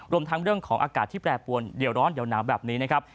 รวมทั้งเรื่องของอากาศที่แปรปวนเดี๋ยวร้อนเดี๋ยวหนาวแบบนี้นะครับ